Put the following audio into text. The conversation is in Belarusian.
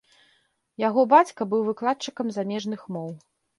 Яго бацька быў выкладчыкам замежных моў.